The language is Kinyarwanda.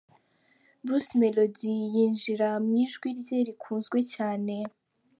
Bruce Melodie yinjira mu ijwi rye rikunzwe cyane.